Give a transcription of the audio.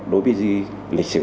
đối với lịch sử